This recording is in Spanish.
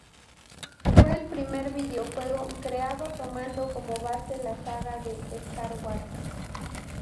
Fue el primer videojuego creado tomando como base la saga de Star Wars.